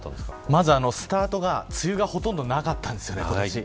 まずスタートが梅雨がほとんどなかったんです。